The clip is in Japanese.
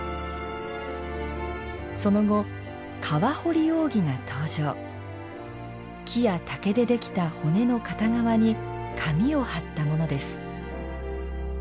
その後、蝙蝠扇が登場木や竹でできた骨の片側に紙を貼ったものです。